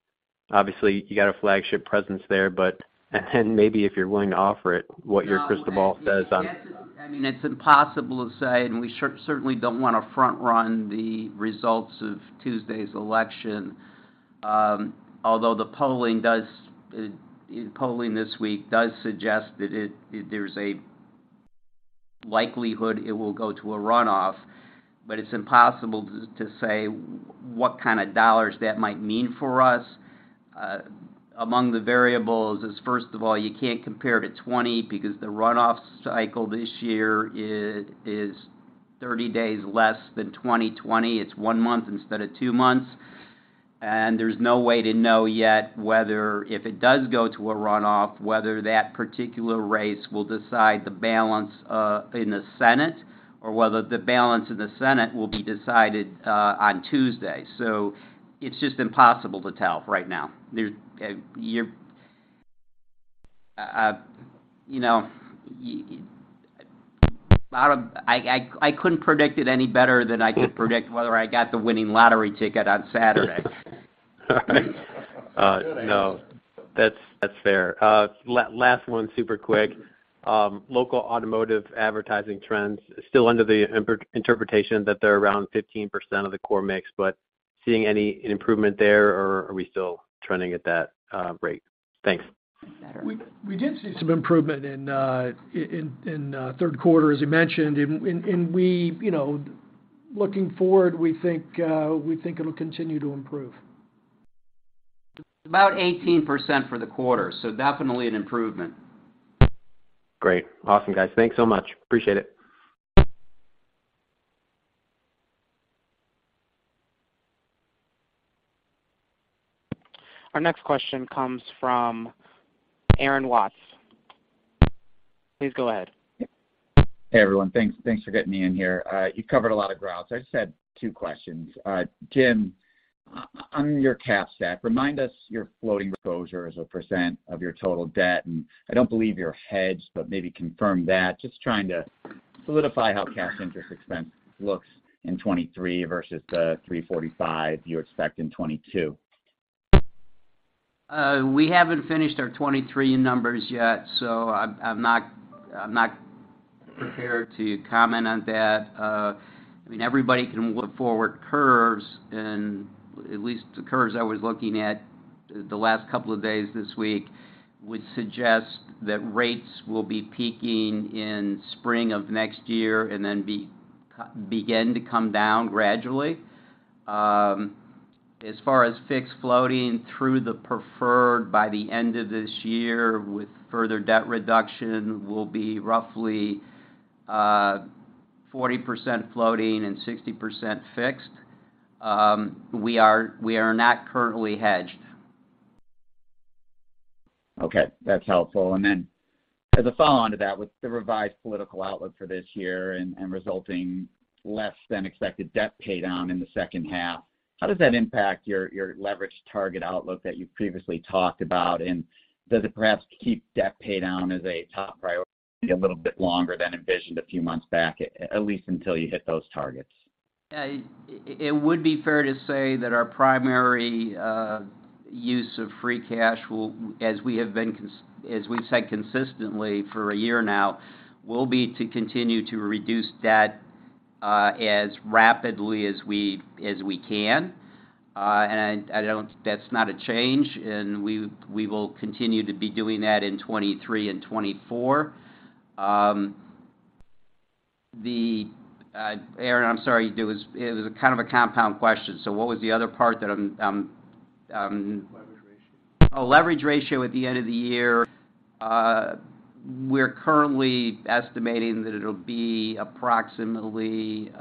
Obviously, you got a flagship presence there, but and maybe if you're willing to offer it, what your crystal ball says on I mean, it's impossible to say, and we certainly don't wanna front run the results of Tuesday's election. Although the polling this week does suggest that it, there's a likelihood it will go to a runoff, but it's impossible to say what kind of dollars that might mean for us. Among the variables is, first of all, you can't compare to 2020 because the runoff cycle this year is 30 days less than 2020. It's one month instead of two months. There's no way to know yet whether if it does go to a runoff, whether that particular race will decide the balance in the Senate or whether the balance in the Senate will be decided on Tuesday. It's just impossible to tell right now. You know, I couldn't predict it any better than I could predict whether I got the winning lottery ticket on Saturday. All right. No, that's fair. Last one, super quick. Local automotive advertising trends still under the interpretation that they're around 15% of the core mix, but seeing any improvement there, or are we still trending at that rate? Thanks. We did see some improvement in third quarter, as you mentioned. We, you know, looking forward, we think it'll continue to improve. About 18% for the quarter, so definitely an improvement. Great. Awesome, guys. Thanks so much. Appreciate it. Our next question comes from Aaron Watts. Please go ahead. Hey, everyone. Thanks for getting me in here. You covered a lot of ground, so I just had two questions. Jim, on your cash stack, remind us your floating exposure as a % of your total debt. I don't believe you're hedged, but maybe confirm that. Just trying to solidify how cash interest expense looks in 2023 vs the $345 you expect in 2022. We haven't finished our 2023 numbers yet, so I'm not prepared to comment on that. I mean, everybody can look at forward curves and at least the curves I was looking at the last couple of days this week would suggest that rates will be peaking in spring of next year and then begin to come down gradually. As far as fixed-floating through the preferred by the end of this year with further debt reduction will be roughly 40% floating and 60% fixed. We are not currently hedged. Okay, that's helpful. As a follow-on to that, with the revised political outlook for this year and resulting less than expected debt paydown in the second half, how does that impact your leverage target outlook that you previously talked about? Does it perhaps keep debt paydown as a top priority a little bit longer than envisioned a few months back, at least until you hit those targets? It would be fair to say that our primary use of free cash will, as we've said consistently for a year now, will be to continue to reduce debt as rapidly as we can. That's not a change, and we will continue to be doing that in 2023 and 2024. Aaron, I'm sorry, it was a kind of a compound question. What was the other part that I'm Leverage ratio. Leverage ratio at the end of the year. We're currently estimating that it'll be approximately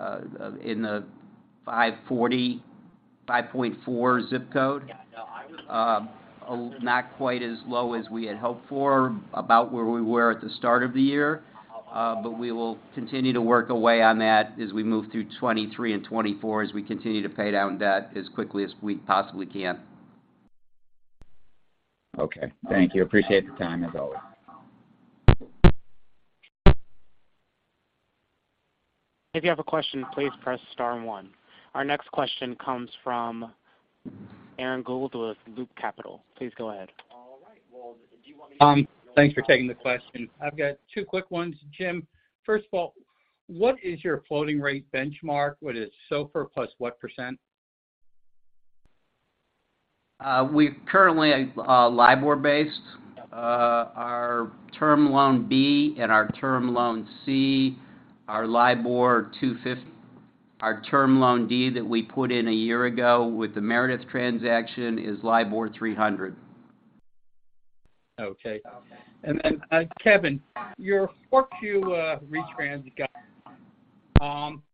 in the 5.4 zip code. Not quite as low as we had hoped for, about where we were at the start of the year. We will continue to work away on that as we move through 2023 and 2024 as we continue to pay down debt as quickly as we possibly can. Okay. Thank you. Appreciate your time as always. If you have a question, please press star one. Our next question comes from Alan Gould with Loop Capital. Please go ahead. All right. Well, thanks for taking the question. I've got two quick ones, Jim. First of all, what is your floating rate benchmark? What is SOFR plus what %? We currently are LIBOR-based. Our term loan B and our term loan C are LIBOR 250. Our term loan D that we put in a year ago with the Meredith transaction is LIBOR 300. Kevin, your 4Q Retrans guidance.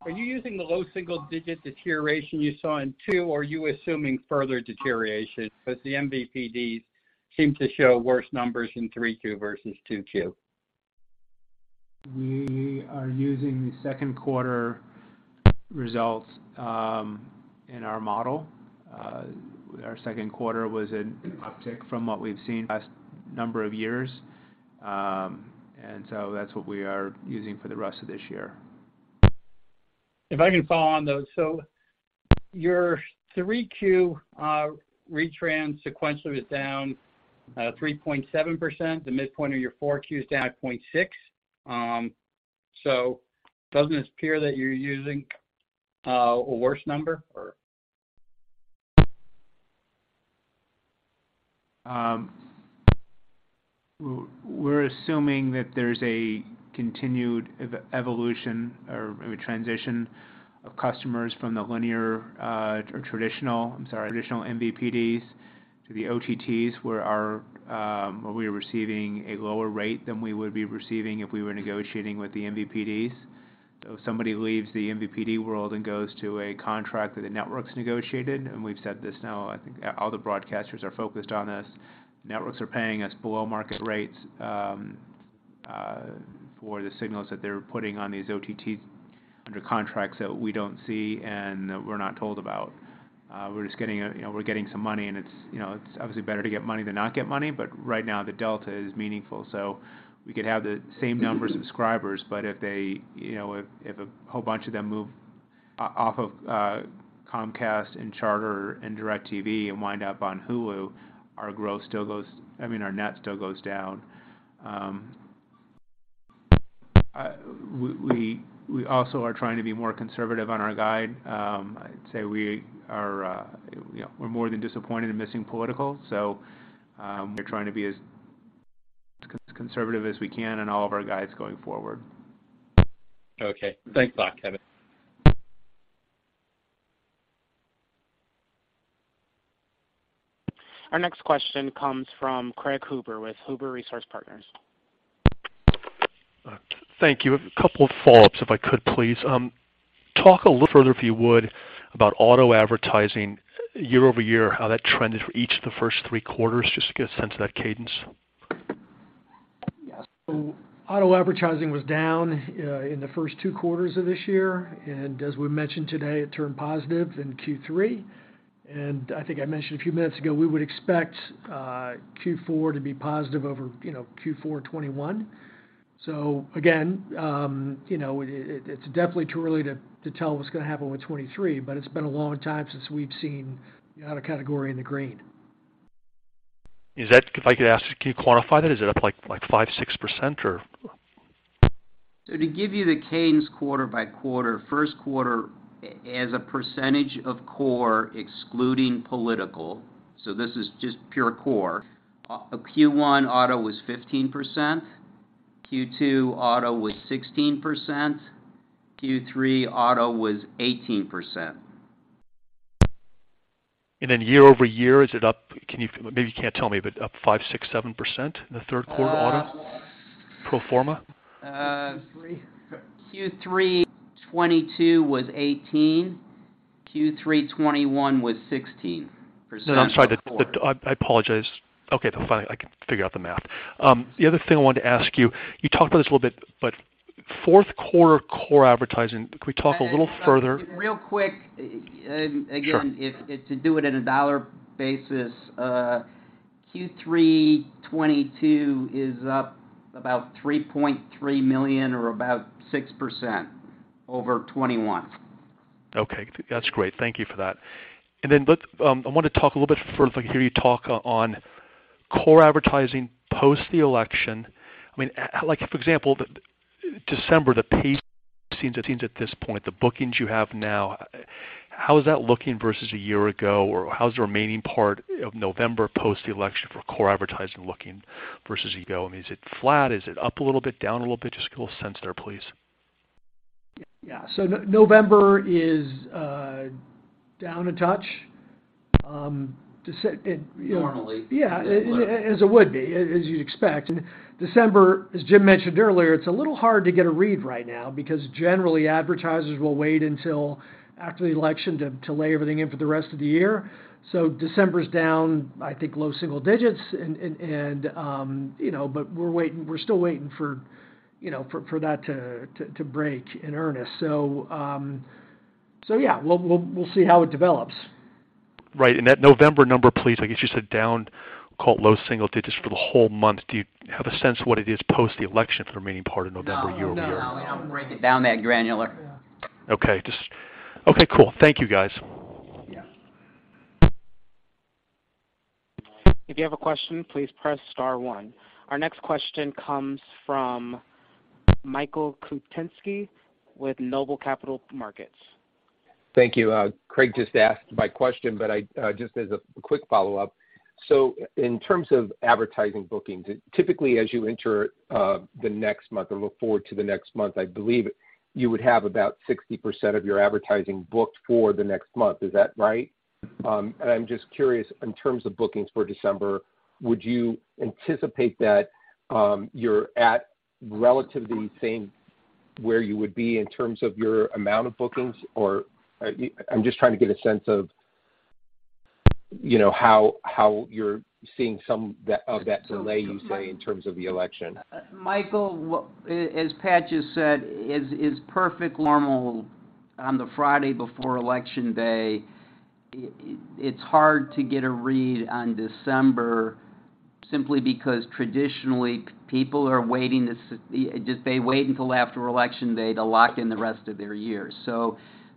Are you using the low single digit deterioration you saw in two, or are you assuming further deterioration? Because the MVPDs seem to show worse numbers in 3Q vs 2Q. We are using the second quarter results in our model. Our second quarter was an uptick from what we've seen the past number of years. That's what we are using for the rest of this year. If I can follow on those. Your 3Q, Retrans sequentially is down 3.7%. The midpoint of your 4Q is down 0.6%. Doesn't it appear that you're using a worse number or? We're assuming that there's a continued evolution or transition of customers from the linear or traditional MVPDs to the OTTs, where we're receiving a lower rate than we would be receiving if we were negotiating with the MVPDs. If somebody leaves the MVPD world and goes to a contract that the network's negotiated, and we've said this now, I think all the broadcasters are focused on this, networks are paying us below market rates for the signals that they're putting on these OTTs under contracts that we don't see and that we're not told about. We're just getting, you know, we're getting some money, and it's, you know, it's obviously better to get money than not get money, but right now the delta is meaningful. We could have the same number of subscribers, but if they, if a whole bunch of them move off of Comcast and Charter and DirecTV and wind up on Hulu, our growth still goes, I mean, our net still goes down. We also are trying to be more conservative on our guidance. I'd say we're more than disappointed in missing political, so we're trying to be as conservative as we can in all of our guidances going forward. Okay. Thanks a lot, Kevin. Our next question comes from Craig Huber with Huber Research Partners. Thank you. A couple of follow-ups, if I could, please. Talk a little further, if you would, about auto advertising year-over-year, how that trended for each of the first three quarters, just to get a sense of that cadence. Yes. Auto advertising was down in the first two quarters of this year. As we mentioned today, it turned positive in Q3. I think I mentioned a few minutes ago, we would expect Q4 to be positive over, you know, Q4 2021. Again, you know, it's definitely too early to tell what's gonna happen with 2023, but it's been a long time since we've seen the auto category in the green. If I could ask, can you quantify that? Is it up, like, 5-6% or? To give you the cadence quarter by quarter, first quarter as a percentage of core, excluding political, so this is just pure core, Q1 auto was 15%, Q2 auto was 16%, Q3 auto was 18%. Year-over-year, is it up maybe you can't tell me, but up 5%-7% in the third quarter adjusted pro forma? Q3 2022 was 18%, Q3 2021 was 16%. No, I'm sorry. I apologize. Okay, fine. I can figure out the math. The other thing I wanted to ask you talked about this a little bit, but fourth quarter core advertising, could we talk a little further? Real quick. Sure. Again, if you do it in a dollar basis, Q3 2022 is up about $3.3 million or about 6% over 2021. Okay. That's great. Thank you for that. I want to talk a little bit further, like, hear you talk on core advertising post the election. I mean, like for example, the December, the pace seems at this point, the bookings you have now, how is that looking vs a year ago? Or how's the remaining part of November post-election for core advertising looking vs a year ago? I mean, is it flat? Is it up a little bit, down a little bit? Just get a little sense there, please. Yeah. November is down a touch to say. Normally. Yeah. As it would be, as you'd expect. December, as Jim mentioned earlier, it's a little hard to get a read right now because generally advertisers will wait until after the election to lay everything in for the rest of the year. December's down, I think, low single digits% and, you know, but we're still waiting for, you know, for that to break in earnest. Yeah, we'll see how it develops. Right. That November number, please. I guess you said down, call it low single digits for the whole month. Do you have a sense of what it is post the election for the remaining part of November year-over-year? No, I don't break it down that granular. Yeah. Okay. Okay, cool. Thank you, guys. Yeah. If you have a question, please press star one. Our next question comes from Michael Kupinski with Noble Capital Markets. Thank you. Craig just asked my question, but I just as a quick follow-up. In terms of advertising bookings, typically as you enter the next month or look forward to the next month, I believe you would have about 60% of your advertising booked for the next month. Is that right? And I'm just curious, in terms of bookings for December, would you anticipate that you're at relatively same where you would be in terms of your amount of bookings? Or I'm just trying to get a sense of, you know, how you're seeing some of that, of that delay, you say, in terms of the election. Michael Kupinski, as Pat LaPlatney has said, it's perfectly normal on the Friday before election day. It's hard to get a read on December simply because traditionally people are waiting. They wait until after election day to lock in the rest of their year.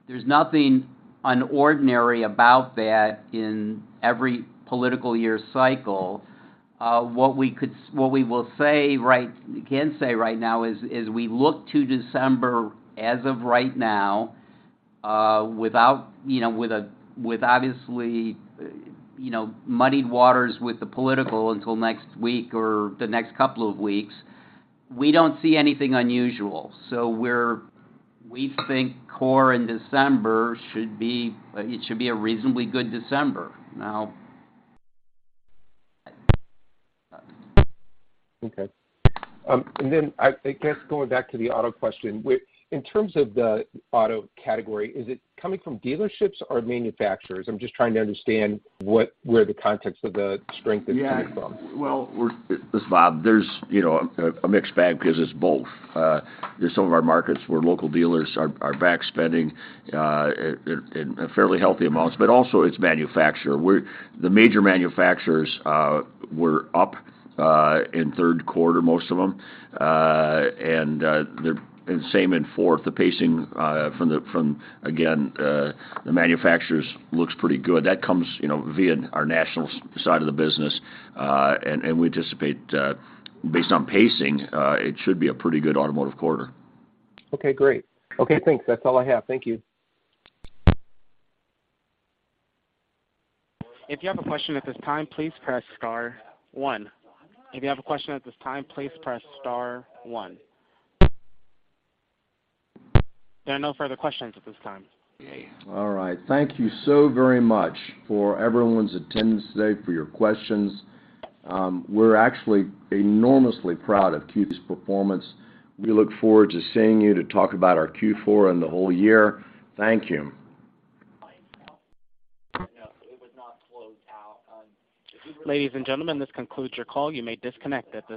There's nothing unordinary about that in every political year cycle. What we can say right now is we look to December as of right now, without you know, obviously you know, muddied waters with the political until next week or the next couple of weeks. We don't see anything unusual. We think core in December should be. It should be a reasonably good December. Now. Okay. I guess going back to the auto question, in terms of the auto category, is it coming from dealerships or manufacturers? I'm just trying to understand where the context of the strength is coming from. Yeah. Well, listen, Bob, there's, you know, a mixed bag 'cause it's both. There's some of our markets where local dealers are back spending in fairly healthy amounts, but also it's manufacturers. The major manufacturers were up in third quarter, most of them, and they're. Same in fourth. The pacing from again the manufacturers looks pretty good. That comes, you know, via our national sales side of the business, and we anticipate based on pacing it should be a pretty good automotive quarter. Okay, great. Okay, thanks. That's all I have. Thank you. If you have a question at this time, please press star one. There are no further questions at this time. All right. Thank you so very much for everyone's attendance today, for your questions. We're actually enormously proud of Q's performance. We look forward to seeing you to talk about our Q4 and the whole year. Thank you. No, it was not closed out. Ladies and gentlemen, this concludes your call. You may disconnect at this time.